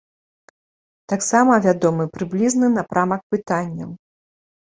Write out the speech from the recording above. Таксама вядомы прыблізны напрамак пытанняў.